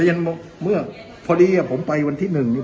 ด้วยจรรย์มักเมื่อพอดีว่าผมไปวันที่หนึ่งเนี่ย